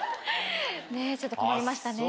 ちょっと困りましたね。